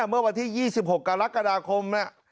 เมื่อวันที่๒๖การรรคาดาคม